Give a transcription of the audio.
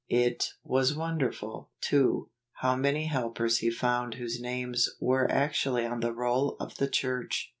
It was wonderful, too, how many helpers he found whose names were actually on the roll of the Church!